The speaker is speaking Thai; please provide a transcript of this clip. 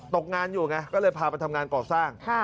ตกงานอยู่ไงก็เลยพาไปทำงานก่อสร้าง